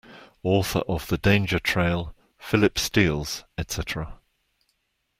Author of the danger trail, Philip Steels, etc.